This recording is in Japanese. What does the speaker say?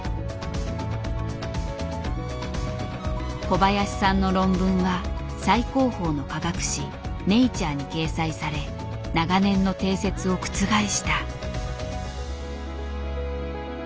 小林さんの論文は最高峰の科学誌「ネイチャー」に掲載され長年の定説を覆した。